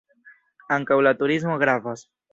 Ankaŭ la turismo gravas.